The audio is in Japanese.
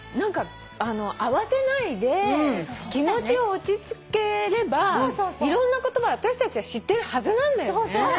慌てないで気持ちを落ち着ければいろんな言葉私たちは知ってるはずなんだよね。